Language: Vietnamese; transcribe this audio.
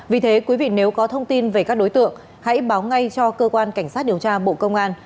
vì thế quý vị nếu có thông tin về các đối tượng hãy báo ngay cho cơ quan cảnh sát điều tra bộ công an